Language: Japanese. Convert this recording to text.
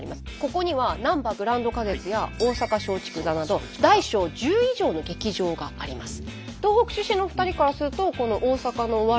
ここにはなんばグランド花月や大阪松竹座など大小１０以上の劇場があります。